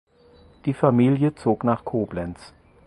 Die Familie zog nach Koblenz.